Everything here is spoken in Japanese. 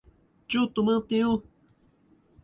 ちょっと待ってよ。